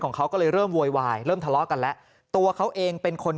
ของเขาก็เลยเริ่มโวยวายเริ่มทะเลาะกันแล้วตัวเขาเองเป็นคน